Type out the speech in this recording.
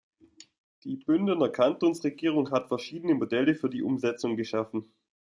Die Bündner Kantonsregierung hat verschiedene Modelle für die Umsetzung geschaffen.